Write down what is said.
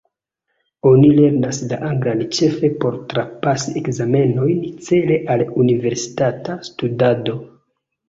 Oni lernas la anglan ĉefe por trapasi ekzamenojn cele al universitata studado.